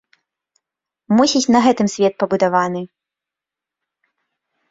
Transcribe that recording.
Мусіць, на гэтым свет пабудаваны.